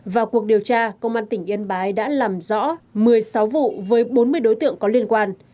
vào cuộc điều tra công an tỉnh yên bái đã làm rõ một mươi sáu vụ với bốn mươi đối tượng có liên quan